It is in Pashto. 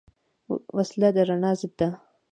وسله د رڼا ضد ده